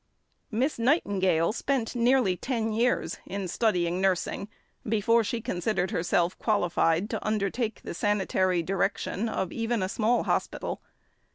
Miss Nightingale spent nearly ten years in studying nursing before she considered herself qualified to undertake the sanitary direction of even a small hospital.